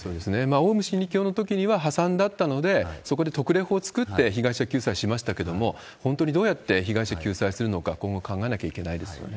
オウム真理教のときには、破産だったので、そこで特例法を作って被害者救済しましたけれども、本当にどうやって被害者救済するのか、今後、考えなきゃいけないですよね。